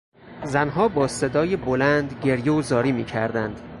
زنها با صدای بلند گریه و زاری میکردند.